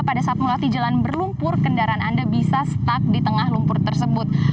pada saat melewati jalan berlumpur kendaraan anda bisa stuck di tengah lumpur tersebut